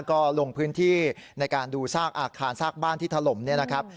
ก็ลงพื้นที่ในการดูซากอาคารซากบ้านที่ถล่มเนี่ยนะครับ